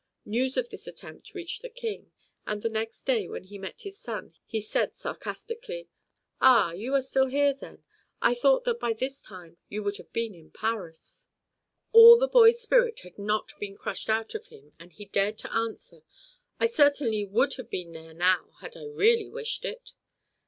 News of this attempt reached the King, and the next day, when he met his son, he said sarcastically, "Ah, you are still here then? I thought that by this time you would have been in Paris." All the boy's spirit had not been crushed out of him, and he dared to answer, "I certainly would have been there now had I really wished it."